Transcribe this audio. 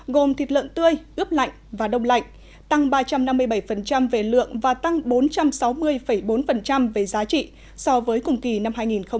gồm thịt lợn tươi ướp lạnh và đông lạnh tăng ba trăm năm mươi bảy về lượng và tăng bốn trăm sáu mươi bốn về giá trị so với cùng kỳ năm hai nghìn một mươi chín